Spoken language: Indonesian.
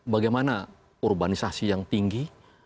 bagaimana urbanisasi yang tinggi